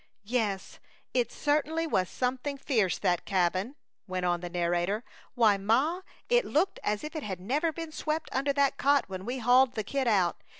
"Yes, it certainly was something fierce, that cabin," went on the narrator. "Why, Ma, it looked as if it had never been swept under that cot when we hauled the Kid out.